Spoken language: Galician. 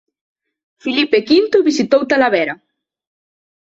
Filipe V visitou Talavera.